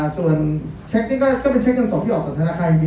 ส่วนเช็คนี่ก็เป็นเช็คเงานส่องที่ออกสถานธรรมค่านี้